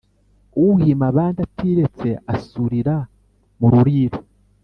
Uhima abandi atiretse asurira mu ruriro